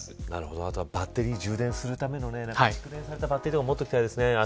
あとバッテリー充電するための蓄電されたバッテリーなども持っておきたいですね。